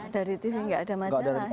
dari tv gak ada majalah ya